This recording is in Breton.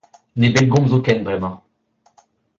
Ne bellgomzo ken bremañ.